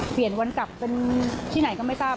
เปลี่ยนวันกลับเป็นที่ไหนก็ไม่ทราบ